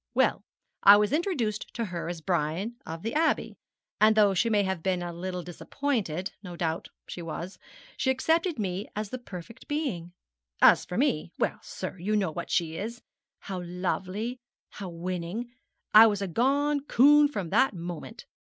Well, I was introduced to her as Brian of the Abbey, and though she may have been a little disappointed no doubt she was she accepted me as the perfect being. As for me well, sir, you know what she is how lovely, how winning. I was a gone coon from that moment.